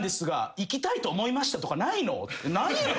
ないやろ。